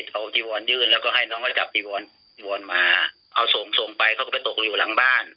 คืนนั้น